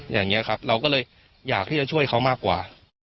เราก็เลยอยากที่จะช่วยเขามากกว่า